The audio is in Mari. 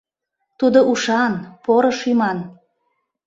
Тудо ушан, поро шӱман.